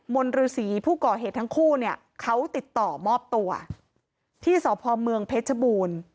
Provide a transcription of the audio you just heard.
นฤษีผู้ก่อเหตุทั้งคู่เนี่ยเขาติดต่อมอบตัวที่สพเมืองเพชรบูรณ์